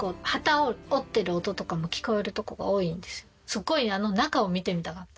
すっごいあの中を見てみたかった。